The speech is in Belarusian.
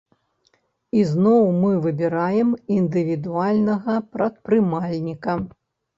І зноў мы выбіраем індывідуальнага прадпрымальніка.